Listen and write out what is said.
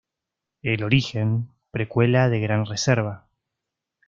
El origen, precuela de Gran Reserva.